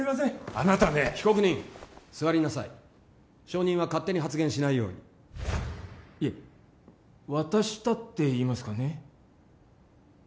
あなたね被告人座りなさい証人は勝手に発言しないようにいえ渡したっていいますかね